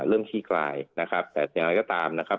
ขี้คลายนะครับแต่อย่างไรก็ตามนะครับ